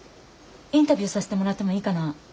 インタビューさせてもらってもいいかな？